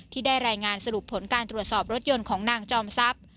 ที่ได้รายงานสรุปผลการตรวจสอบรถยนต์ของนางจอมทรัพย์